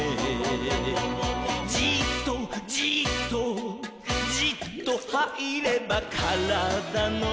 「じっとじっとじっとはいればからだの」